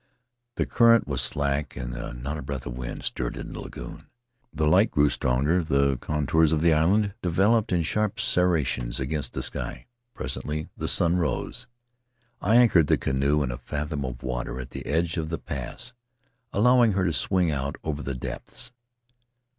The current was slack and not a breath of wind stirred the lagoon. The light, grew stronger; the contours of the island de veloped in sharp serrations against the sky; presently the sun rose. In the Cook Group I anchored the canoe in a fathom of water at the edge of the pass, allowing her to swing out over the depths.